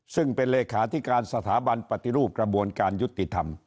ซึ่งเป็นเลขาธิการสถาบันปฏิรูปกระบวนการยุติธรรม